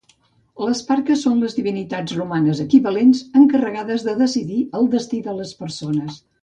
Les Parques són les divinitats romanes equivalents, encarregades de decidir el destí de les persones.